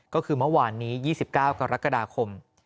ก็คือเมื่อวานนี้๒๙กรกฎาคม